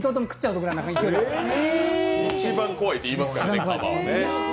かばは一番怖いって言いますからね。